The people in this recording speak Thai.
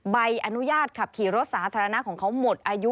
ใบอนุญาตขับขี่รถสาธารณะของเขาหมดอายุ